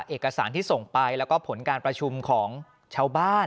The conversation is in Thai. เอกสารที่ส่งไปแล้วก็ผลการประชุมของชาวบ้าน